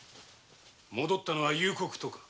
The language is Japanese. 戻ったのは夕刻とか？